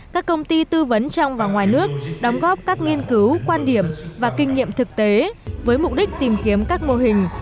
các công ty tư vấn trong và ngoài nước đóng góp các nghiên cứu quan điểm và kinh nghiệm thực tế với mục đích tìm kiếm các mô hình